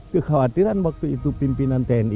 kekhawatiran waktu itu pimpinan tni